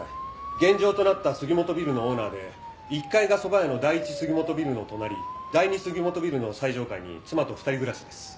現場となった杉本ビルのオーナーで１階がそば屋の第一杉本ビルの隣第二杉本ビルの最上階に妻と二人暮らしです。